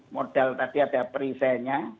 model tadi ada perisainya